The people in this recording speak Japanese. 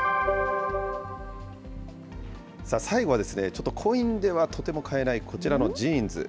さあ、最後はちょっとコインではとても買えないこちらのジーンズ。